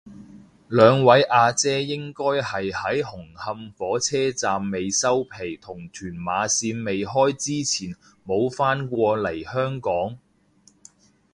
兩位阿姐應該係喺紅磡火車站未收皮同屯馬綫未開之前冇返過嚟香港